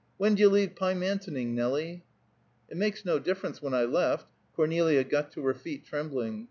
When d'you leave Pymantoning, Nelie?" "It makes no difference when I left." Cornelia got to her feet, trembling.